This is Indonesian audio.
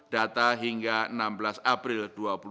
data hingga enam belas april dua ribu dua puluh